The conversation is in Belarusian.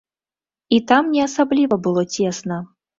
І там не асабліва было цесна.